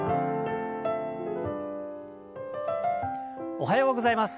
おはようございます。